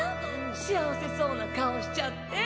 幸せそうな顔しちゃって！